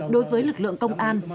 đối với lực lượng công an